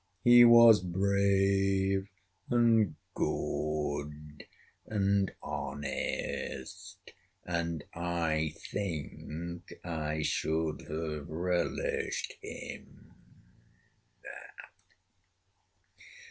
He was brave, and good, and honest, and I think I should have relished him."